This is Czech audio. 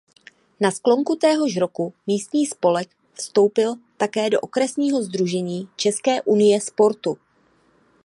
Na sklonku téhož roku místní spolek vstoupil také do Okresního sdružení České unie sportu.